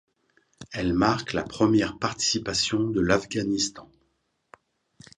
Elle marque la première participation de l'Afghanistan.